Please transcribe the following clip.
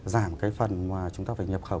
giảm cái phần mà chúng ta phải nhập khẩu